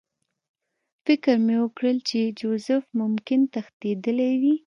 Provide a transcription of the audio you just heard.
فکر مې وکړ چې جوزف ممکن تښتېدلی وي